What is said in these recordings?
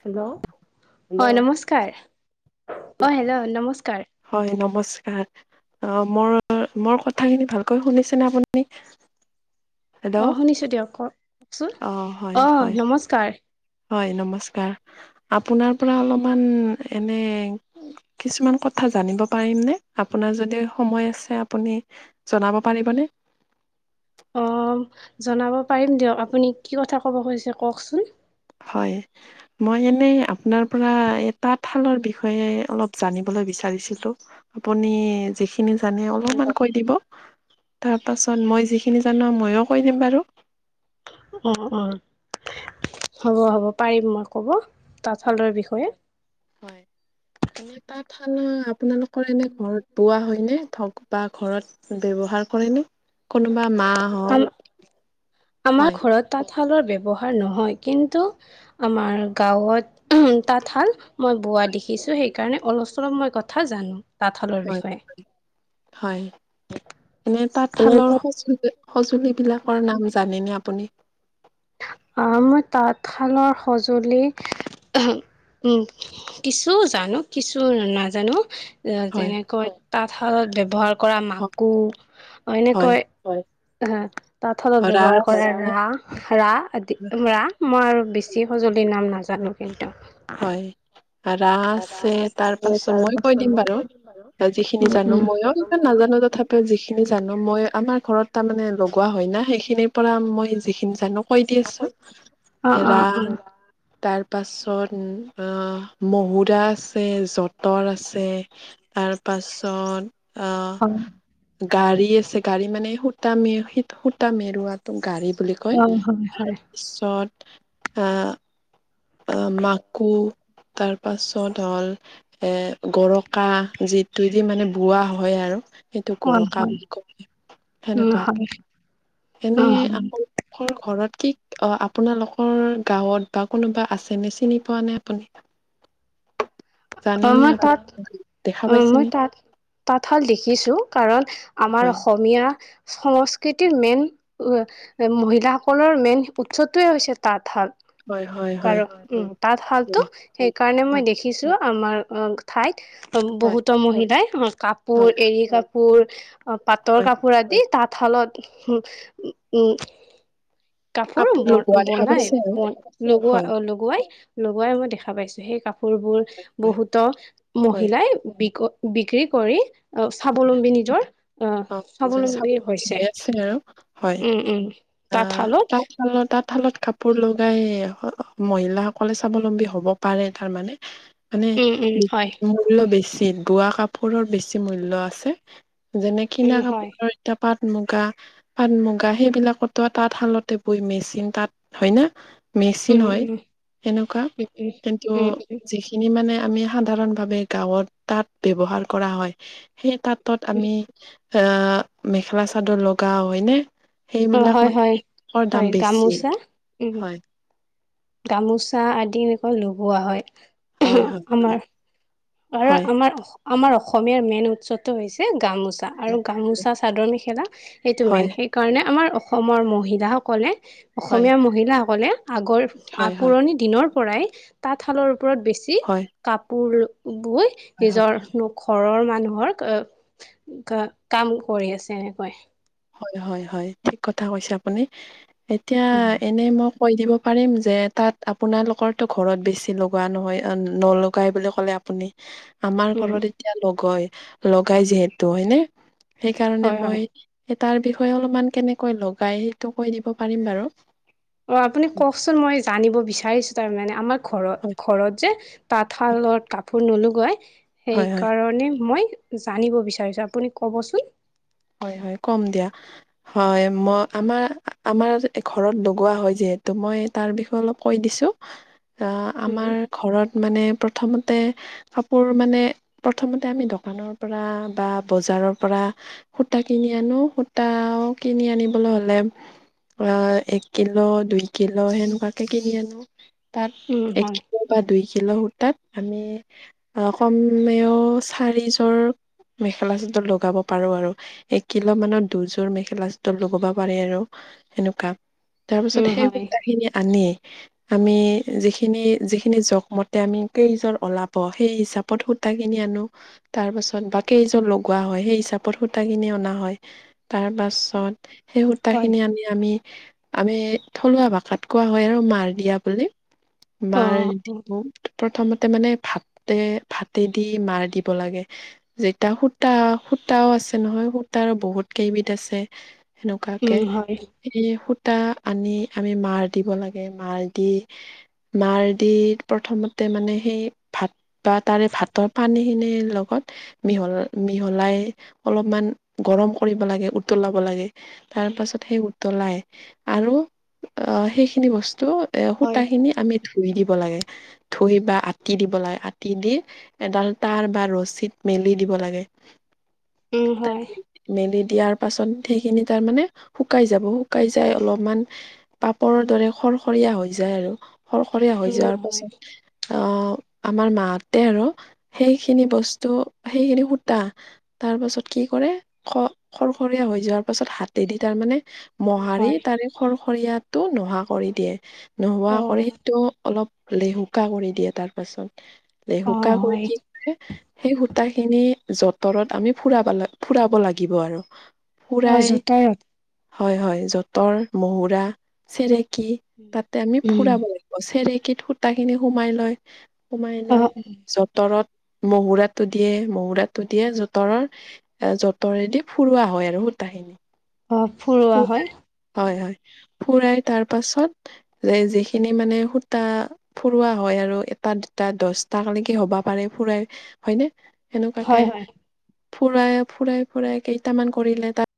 Hello হয় hello নমস্কাৰ অ', হেল্ল' নমস্কাৰ। হয় অ', নমস্কাৰ মোৰ মোৰ কথাখিনি ভালকৈ শুনিছেনে আপুনি? হেল্ল' অ', শুনিছো দিয়ক কও কওকচোন অ হয় অ', হয় নমস্কাৰ। হয়, নমস্কাৰ আপোনাৰ পৰা অলপমান এনে কিছুমান কথা কথা জানিব পাৰিম নে, আপোনাৰ যদি সময় আছে আপুনি জনাব পাৰিবনে? [inaudible] অ', জনাব পাৰিম দিয়ক আপুনি কি কথা ক'ব খুজিছে কওকচোন। হয়, মই এনেই আপোনাৰ পৰা এ তাঁতশালৰ বিষয়ে অলপ জানিব ল'ই বিচাৰিছিলোঁ, আপুনি যিখিনি জানে অলপমান কৈ দিব। তাৰপাছত মই যিখিনি জানো ময়ো কৈ দিম বাৰু। অ', অ', হ'ব হ'ব পাৰিম মই কব। হয় তাঁতশালৰ বিষয়ে। থানা, আপোনালোকৰ এনে ঘৰত বোৱা হয় নে ধক বা ঘৰত ব্যৱহাৰ কৰেনে কোনোবা মা আম হওক আমাৰ হয় ঘৰত তাঁত তাঁতশালৰ ব্যৱহাৰ নহয়, কিন্তু আমাৰ গাঁৱত, তাঁতশাল মই বোৱা দেখিছোঁ, সেইকাৰণে অলপ চলপ মই কথা জানো। তাঁতশালৰ হয় বিষয়ে হয়, হয়, এনেই তাঁতশালৰ [unintelligible] সঁজুলি বিলাকৰ নাম জানেনে আপুনি? অ' মই তাঁতশালৰ সঁজুলি উম, কিছু জানো, কিছু নাজানো হয় যেনেকৈ তাঁতশালত ব্যৱহাৰ কৰা হয় মাকো, অ' হয় এনেকৈ হা, তাঁতশালত ব্যৱহাৰ ৰাচ কৰে ৰা ৰা আদি ৰা, মই আৰু বেছি সঁজুলিৰ নাম নাজানো কিন্তু। হয়, ৰাঁচ আছে তাৰ পাছত মই কৈ দিম বাৰু যিখিনি উম জানো উম ময়ো ইমান নাজানো। তথাপিও যিখিনি জানো মই আমাৰ ঘৰত তাৰ মানে লগোৱা হয় না, সেইখিনিৰ পৰা মই যিখিনি জানোঁ কৈ দি আছো অ অ ৰা অ তাৰ পাছত উম, অ, মহুৰা আছে, যঁতৰ আছে, তাৰ পাছত অ' হয় গাড়ী আছে, গাড়ী মানে সূতা মে-সূত-সূতা মেৰুৱাতো গাড়ীত বুলি কয়, তাৰ পিছত আ আ মাকো তাৰ পাছত হ'ল, এ গৰকা, যিটোদি মানে বোৱা হয় আৰু। সেইটো অ হয় হয় অ গৰকা হয় বুলি কয়, উ হয় সেনেকুৱাকে অ এনেই হয় আপোনালোকৰ ঘৰত কি অ', আপোনালোকৰ গাঁৱত বা কোনোবা আছেনে চিনি পোৱা নে আপুনি? অ', জানেনে মই তাত, আপোনালোকে দেখা অ', মই পাইছেনে? তাত-তাঁতশাল দেখিছোঁ, কাৰণ আমাৰ হয়। অসমীয়া সংস্কৃতিৰ মেইন, মহিলাসকলৰ মেইন উৎসটোৱে হৈছে তাঁতশাল। হয়, হয়, হয়। কাৰণ, উম, তাঁতশালটো হয়, সেইকাৰণে মই হয়, দেখি দেখিছোঁ, আমাৰ অ' ঠাইত, হয়, বহুতো মহিলাই কাপোৰ হয়, এড়ী কাপোৰ অ' পাটৰ হয়। কাপোৰ আদি, তাঁতশালত উ-উম কাপোৰ ব লগোৱা দেখা বনাই পাইছে আৰু লগোৱা হয়, লগোৱাই লগোৱাই মই দেখা পাইছো সেই কাপ কাপোৰবোৰ হয়, বহুত হয়, মহিলাই বিক বিক্ৰী কৰি অ হয়। স্বাৱলম্বী নিজৰ আহ অ', য চাব স্বাৱলম্বী হৈ হৈছে আছে আৰু হয়। উম উম তাঁতশালত তাঁতশালত কাপোৰ লগাই মহিলাসকলে স্বাৱলম্বী হ'ব পাৰে তাৰমানে মানে উম উম হয় মূল্য বেছি বোৱা কাপোৰৰ বেছি মূল্য আছে যেনে কিনা উম হয় কাপোৰৰ এতাপাত মুগা পাট মুগা সেইবিলাকতো তাত শালতে বই মেচিন তাত হয় ন মেচিন উম হয় উম উম সেনেকুৱা উম কিন্তু উম উম যিখিনি মানে আমি সাধাৰণ ভাৱে গাঁৱৰ তাঁত ব্যৱহাৰ কৰা হয় সেই তাঁতত উম আমি এ মেখেলা চাদৰ লগাও হয়নে অ সেইবিলাক হয় হয় মানৰ হয় দাম বেছি গামোচা উম হয় গামোচা আদি এনেকুৱা লগোৱা হয় হয় হয় আমাৰ আৰু হয় আমাৰ আমাৰ অসমীয়াৰ মেইন উৎসৱটো হৈছে গামোচ চা আৰু গামোচা চাদৰ মেখেলা এইটো মেইন হয় সেইকাৰণে আমাৰ অসমৰ মহিলাসকলে হয় অসমীয়া মহিলাসকলে আগৰ হয় হয় হয় পুৰণি দিনৰ পৰাই তাঁতশালৰ কাপোৰকত বেছি হয় কাপোৰ বৈ নিজৰৰ ঘৰৰ মা মানুহৰ কাম কৰি আছে এনেকৈ হয় হয় হয় ঠিক কথা কৈছে আপুনি এতিয়া উম এনে মোক কৈ দিব পাৰিম যে তাত আপোনালোকৰ তো ঘৰত বেছি লগোৱা নহয় নলগাই বুলি ক'লে আপুনি আমাৰ উম ঘৰত এতিয়া লগয় লগাই যিহেতু হয়নে সেইকাৰণে হয় হয় মই তাৰ বিষয়ে অলপমান কেনেকৈ লগাই সেইটো কৈ দিব পাৰিম বাৰু অ', আপুনি কওকচোন মই জানিব বিচাৰিছো তাৰমানে আমাৰ হয় ঘৰত ঘৰত যে তাঁতশালত কাপোৰ নোলাই হয় হয় সেইকাৰণে মই জানিব বিচাৰিছো আপুনি কবচোন হয়, হয়, কম দিয়া হয় ম আমাৰ আমাৰ ঘৰত লগোৱা হয় যে সেইটো মই তাৰ বিষয়ে অলপ কৈ দিছো অ আমাৰ উম ঘৰত মানে, প্ৰথমতে কাপোৰ মানে প্ৰথমতে আমি দোকানৰ পৰা বা বজাৰ জাৰৰ পৰা, সূতা কিনি আনো, সূতাও কিনি আনিবলৈ হ'লে অ', এক কিলো, দুই কিলো সেনেকুৱাকে কিনি আনো। তাত, উম এক হয় কিলো বা দুই কিলো সূতাত, আমি কমেও চাৰিযোৰ মেখেলা চাদৰ লগাব পাৰো আৰু। এক কিলো মানৰ দুযোৰ মেখেলা চাদ লগাব পাৰে আৰু সেনেকুৱা তাৰ পিছত উম সেই হয় সূতা খিনি আনি আমি যিখিনি যিখিনি জোখমতে আমি কেইযোৰ ওলাব সেই হিচাপত সুতা কিনি আনো তাৰ পাছতেই বাকী এযোৰ লগোৱা হয় সেই হিতু সূতাখিনি অনা হয় তাৰ পাছত সেই সূতা হয় খিনি আনি আমি আমি থলুৱা ভাষাত কোৱা হয় আৰু মাৰ দিয়া বুলি অ মাৰ অ প্ৰথমতে মানে ভাত ভাতে দি মাৰ দিব লাগে যেতিয়া সূতা সূতাও আছে নহয় সূতা আৰু বহুত কেইবিধ আছে সেনেকুৱাকে উম হয় এই সূত টা আনি আমি মাৰ দিব লাগে মাৰ দি মাৰ দি প্ৰথমতে মানে সেই ভাত বা তাৰে ভাতৰ পানী খিনিৰ লগত মিহল মিহলাই অলপমান গৰম কৰিব লাগে উতলাব লাগে তাৰ পাছত সেই উতলাই আৰু অ', সেইখিনি বস্তু এ সূতা হয় খিনি আমি ধুই দিব লাগে ধুই বা আতি দিব লাগে আতি দি এডাল তাৰ বা ৰছীত মে মেলি দিব লাগে। উ হয়। ইয়াৰ পাছত সেইখিনি তাৰ মানে শুকাই যাব। শুকাই যায় অলপ মান পাপৰ দৰে খট সৰখৰীয়া হৈ যায় আৰু সৰখৰীয়া হৈ উম যোৱাৰ হয় পাছত অহ আমাৰ মাহতে আৰু সেইখিনি বস্তু সেইখিনি সূতা তাৰ পাছত কি কৰে খ খৰখৰীয়া হৈ যোৱাৰ পাছত হাতেদি তাৰ মানে উম মোহাৰি হয় তাৰে খৰখৰীয়াটো নোহা কৰি দিয়ে। নোহোৱা অ কৰি সেইটো অলপ লেহুকা কৰি দিয়ে তাৰ পাছত অ লেহুকা হৈ হয় কি সেই সূতা খিনি যতঁৰত আমি ফুৰাব লাগ ফুৰাব লাগিব আৰু অহ ফুৰাই যতঁৰত। হয়, হয় যতৰ মহুঁৰা চেৰেকী তাতে আমি উম ফুৰাব লাগিব চেৰেকী কিত সূতা খিনি সোমাই লয় সোমাই অ লৈ যতঁৰত মহুৰাটো দিয়ে মহহুৰাটো দিয়ে যত তৰৰ যতৰেদি ফুৰোৱা হয় আৰু সূতাখিনি অ ফুৰোৱা হয় হয় হয়। ফুৰাই তাৰ পাছত যে যিখিনি মানে সূতা ফুৰোৱা হয় আৰু এটা দহটা কোলকে হ'বা পাৰে পুৰা হয় ন সেনেকুৱাকে হয় হয় ফুৰাই ফুৰাই ফুৰাই কেইটামান কৰিলে তাত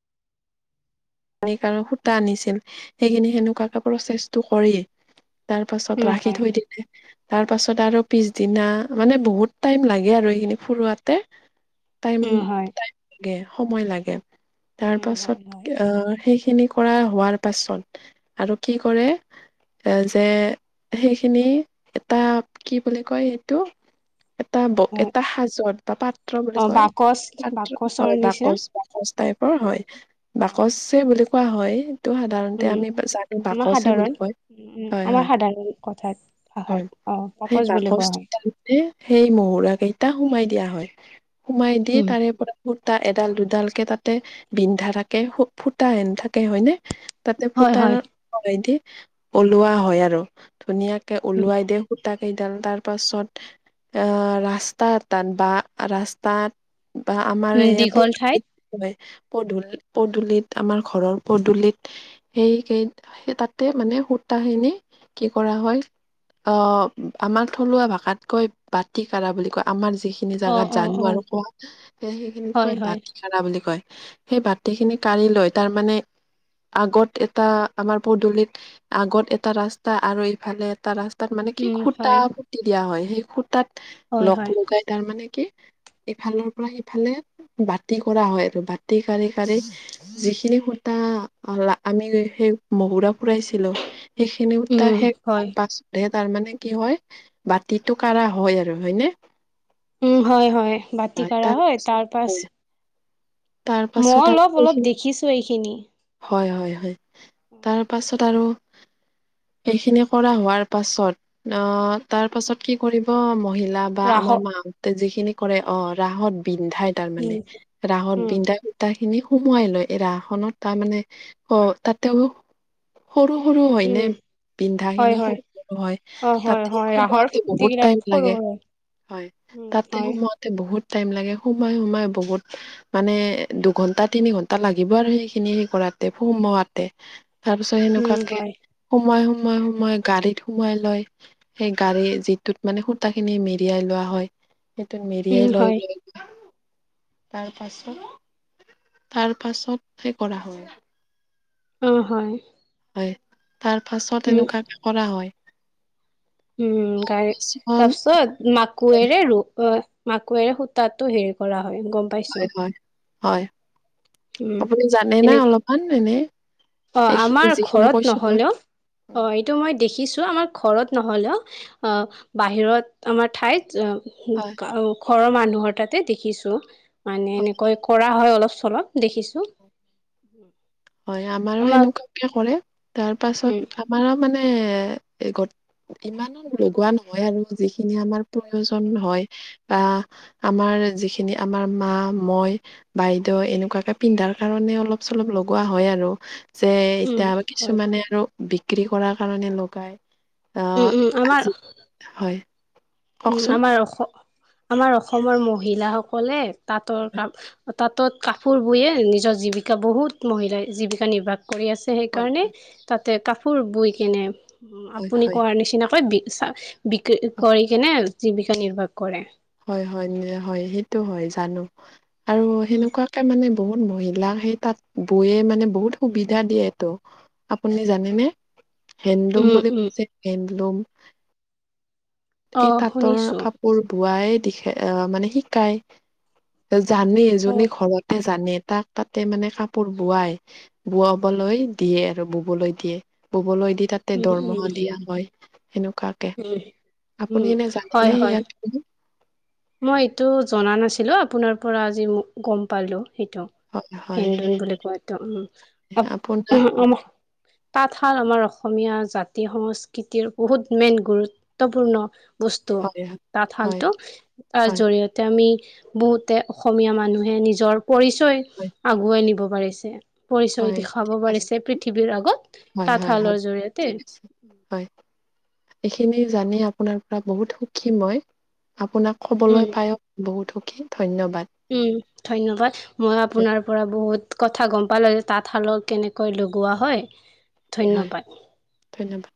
[unintelligible] কাৰ সূতা আনিছিল সেইখিনি সেনেকুৱাকে প্ৰচেছটো কৰি তাৰ পাছত উম ৰাখি হয় থৈ দিলে তাৰ পাছত আৰু পিছদিনা মানে বহুত টাইম লাগে আৰু এইখিনি ফুৰোৱাতে টাইম উম হয় টাইম লাগে সময় লাগে। তাৰ উম, পাছত হয় হয়। আহ সেইখিনি কৰা হোৱাৰ পাছত আৰু কি কৰে এই যে, সেইখিনি, এটা কি বুলি কয় এইটো? হয় এটা সাজত এটা পাত্ৰ বুলি অ কয় বাকচ বাকচৰ নিচিনা বাকচ বাকচ টাইপৰ হয়, অ', বাকচে বুলি কোৱা হয় টো সাধাৰণতে উম আমি আমাৰ বাকচ এ বুলি সাধাৰণ কয়, উম উম, হয়, আমাৰ হয়, সাধাৰণ কথাত ভাষাত হয় অ সেই পাকচ বুলি কোৱা হয় বাকচতে সেই মহুৰা কেইটা সোমাই দি দিয়া হয় সোমাই দিয় উম তাৰে পৰা ফুটা এডাল দুডাল কে তাতে বিন্ধা থাকে ফুটা এন থাকে হয়নে। তাতে হয় হয় সূতাৰদি ওলোৱা হয় আৰু ধুনীয়াকে উম ওলোৱাই দি সুতাক কেইডাল তাৰ পাছত এ ৰাস্তা তাত বা ৰাস্তাত বা আমাৰ উম এই দীঘল ঠাইত [unintelligible] পদূলিত আমাৰ ঘৰৰ পদূলিত, সেই কেই সেই তাতে মানে সূতাখিনি কি কৰা অ' আমাক থলুৱা ভাষাত কয় বাটি কাঢ়া বুলি কয় আমাৰ যিখিনি অ জেগাত অ জানো অ আৰু কওঁ, সেইখিনিক হয় কয় হয় বাটি [unintelligible] বুলি কয়। সেই বাতিখিনি কাঢ়ি লৈ তাৰমানে আগত এটা, আমাৰ পদূলিত আগত এটা ৰাস্তা আৰু এইফালে এটা ৰাচ তাত মানে কি, উম খুটা হয় পুতি দিয়া হয়, সেই খুটাত হয় লগ হয় লগাই তাৰ মানে কি ইফালৰ পৰা সিফালে বাতি কৰা হয়, আৰু বাতি কাঢ়ি কাঢ়ি যিখিনি সূতা আমি সেই মহুৰা ফুৰাইছিলো সেইখিনি সূতা উম হয় সেই‌ [unintelligible] তাৰ মানে কি হয় বাতিটো কাঢ়া হয় আৰু হয়নে? উম, হয়, হয়। বাটি কাঢ়া তাৰ হয়, পাছত তাৰপাছ হয় তাৰ পাছত আৰ [unintelligible] দেখিছো এইখিনি হয়, হয়, হয়। তাৰ পাছত আৰু সেইখিনি কৰা হোৱাৰ পাছত, অ' তাৰ পাছত কি কৰিব মহী লা বা ৰাস আমাৰ মা হঁতে যিখিনি কৰে অ, ৰাহত বিন্ধাই তাৰ উম মানে ৰাহত উম বিন্ধাই সূটা খিনি সুমোৱাই লয়। এ ৰা খনত তাৰ মানে অ, তাতেও সৰু সৰু হয়নে? উম বিন্ধা হয় খিনি হয় সৰু সৰু হয়, অ হয় তাতে হয় ৰাসৰ সোমাওতে বহুত ফুৰ্তিবিলাক টাইম সৰু লাগে। সৰু হয় উম তাতে হয় সোমাওঁতে বহুত টাইম লাগে, সোমাই সোমাই বহুত মানে দুঘন্টা তিনি ঘন্টা লাগিব আৰু সেইখিনি কৰাতে, সোমোৱাওঁতে তাৰ পিছত উম সেনেকুৱাকে হয় সোমোৱাই সুমুৱাই গাড়ীত সুমুমাই লয়, সেই গাড়ী যিটোত মানে সূতা খিনি মেৰিয়াই লোৱা হয় সেইটোত উম মেৰিয়াই লৈ হয় [unintelligible] তাৰ পাছত তাৰ পাছত সেই কৰা হয় অ', হয় হয়। তাৰ পাছত উম এনেকুৱা কৰা হয় উম গাড়ী, কিছুমান তাৰ পিছত মাকোৰেৰে অ মাকোৱেৰে সূতাটো হেৰি কৰা হয়, গম হয় পাইছোঁ। হয় হয়। আপুনি জানে নে এনে অলপমান এনেই অ, আমাৰ ঘৰত নহলেও, অ' এইটো মই দেখিছোঁ, আমাৰ ঘৰত নহ'লেও, অ বাহিৰত আমাৰ ঠাইত হয় ঘৰৰ মানুহৰ তাতে দেখিছোঁ, মানে এনেকৈ কৰা হয় অলপ চলপ দেখিছোঁ হয়, আমাৰো এনেকুৱা [unintelligible] তাৰ উম পাছত আমাৰো মানে [inaudible] ইমানো লগোৱা নহয় আৰু যিখিনি আমাৰ প্ৰয়োজন হয়, বা আমাৰ যিখিনি আমাৰ মা, মই, বাইদেউ এনেকুৱাকে পিন্ধাৰ কাৰণে অলপ চলপ কোৱা হয় আৰু যে উম এতিয়া হয় কিছুমানে আৰু বিক্ৰী কৰাৰ কাৰণে লগায় উম উম, আমাৰ উম, কওকচোন আমাৰ অস-আমাৰ অসমৰ মহিলাসকলে তাঁতৰ কাম তাঁতত কাপোৰ বৈয়ে নিজৰ জীৱিকা, বহুত মহিলাই জীৱিকা নিৰ্বাহ কৰি আছে, হয় সেইকাৰণে তাতে কাপোৰ বই কেনে হয় আপুনি হয় কোৱাৰ নিচিনাকৈ বিক বিক্ৰী কৰি কেনে জীৱিকা নিৰ্বাহ কৰে। হয় হয়, হয়, সেইটো হয় জানো, আৰু উম সেনেকুৱাকে মানে বহুত মহিলাক সেই তাঁত বৈয়ে মানে বহুত সুবিধা দিয়েতো, আপুনি জানেনে? হেণ্ডলুম উম বুলি উম [unintelligible] যে হেণ্ডলুম অ এই তাঁতৰ শুনিছো কাপোৰ বো বোৱা এই দিখা মানে শিকাই, জানেই অ জোনে ঘৰতে জানে, তাক তাতে মানে কাপোৰ বোৱাই, বোৱাবলৈ দিয়ে আৰু ববলৈ দিয়ে ববলৈ দি তাতে উম দৰমহা উম দিয়া হয়, সেনেকুৱাকে উম আপুনি উম এনে হয় জানেনে হয় ইয়াত [unintelligible] মই এইটো জনা নাছিলো, আপোনাৰ পৰা আজি গম পালো। সেইটো, হয় হয় হেন্দলুম বুলি কোৱা এইটো আপোনাৰ [unintelligible] তাঁতশাল আমাৰ অসমীয়া জাতি সংস্কৃতিৰ বহুত মেইন গুৰুত্বপূৰ্ণ বস্তু, হয় হয় তাঁতশালটো, তাৰ হয় জৰিয়তে আমি বহুতে অসমীয়া মানুহে নিজৰ পৰিচয় হয় আগুৱাই নিব পাৰিছে। পৰিচয় হয় দেখাব ঠিক আছে পাৰিছে পৃথিৱীৰ আগত, হয় হয় হয় তাঁতশালৰ জৰিয়তে ঠিক আছে হয়। এইখিনি জানি আপোনাৰ পৰা বহুত সুখী মই, আপোনাক উম ক'বলৈ পায়ো বহুত সুখী। ধন্যবাদ উম, ধন্যবাদ, মই আপোনাৰ পৰা বহুত কথা গম পালোঁ যে তাঁতশালৰ কেনেকৈ লগোৱা হয়। হয়, ধন্যবাদ ধন্যবাদ।